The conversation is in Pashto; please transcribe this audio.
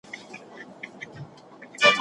آیا ذهني کار تر فزیکي کار ستونزمن دی؟